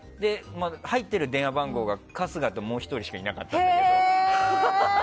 入ってる電話番号が春日ともう１人しかいなかったけど。